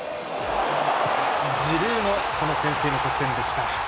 ジルーの先制の得点でした。